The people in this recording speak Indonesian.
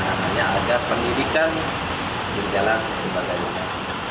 dan hanya agar pendidikan berjalan sebaliknya